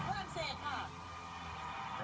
ข้อมูลเข้ามาดูครับ